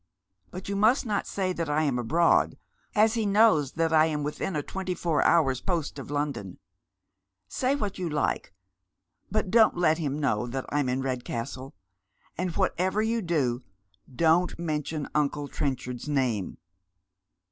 But you must not say that I am abroad, as he knows that I'm within a twenty four hours' post of London. Say what you hke, but don't let him know that I'm in Eedcastle ; and whatever you do, don't mention uncle Trenchard's name."